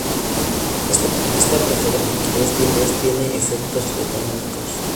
Esta preferencia por la liquidez tiene efectos económicos.